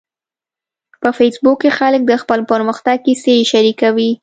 په فېسبوک کې خلک د خپل پرمختګ کیسې شریکوي